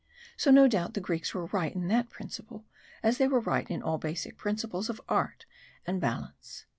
So no doubt the Greeks were right in that principle, as they were right in all basic principles of art and balance.